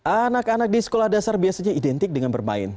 anak anak di sekolah dasar biasanya identik dengan bermain